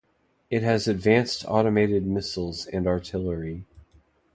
It has advanced automated missiles and artillery.